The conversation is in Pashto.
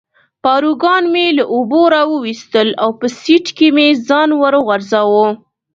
پاروګان مې له اوبو را وویستل او په سیټ کې مې ځان وغورځاوه.